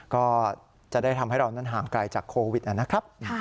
ก็จะได้ทำให้เรานั้นห่างไกลจากโควิดนะครับ